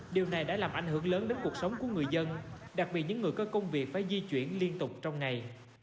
điều này đã làm ảnh hưởng lớn đến cuộc sống của người dân đặc biệt những người có công việc phải di chuyển liên tục trong ngày